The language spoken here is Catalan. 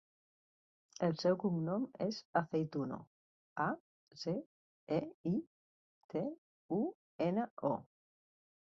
El seu cognom és Aceituno: a, ce, e, i, te, u, ena, o.